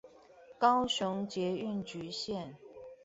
高雄捷運橘線